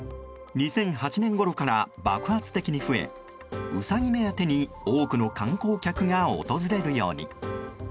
２００８年ごろから爆発的に増えウサギ目当てに多くの観光客が訪れるように。